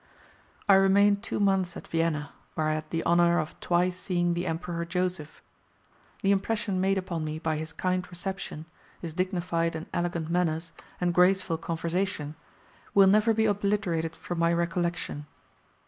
I remained two months at Vienna, where I had the honour of twice seeing the Emperor Joseph. The impression made upon me by his kind reception, his dignified and elegant manners, and graceful conversation, will never be obliterated from my recollection.